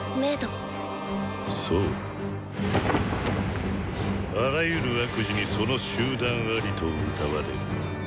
「そう『あらゆる悪事にその集団あり』とうたわれる」。